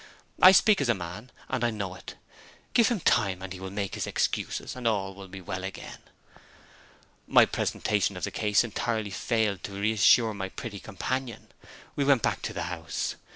I speak as a man, and I know it. Give him time, and he will make his excuses, and all will be well again." My presentation of the case entirely failed to re assure my pretty companion. We went back to the house.